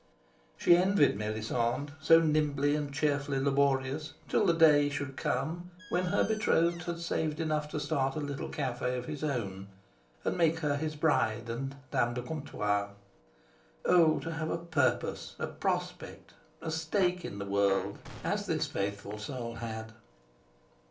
She envied Melisande, so nimbly and cheerfully laborious till the day should come when her betrothed had saved enough to start a little cafe of his own and make her his bride and dame de comptoir. Oh, to have a purpose, a prospect, a stake in the world, as this faithful soul had!